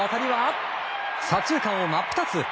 逆方向への当たりは左中間を真っ二つ！